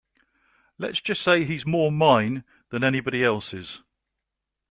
Let's just say he's more mine than anybody else's.